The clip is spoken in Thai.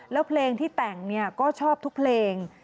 แล้วเพลงที่แต่งก็ชอบทุกเพลง